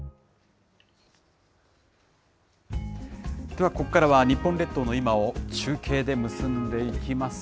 ではここからは、日本列島の今を中継で結んでいきます。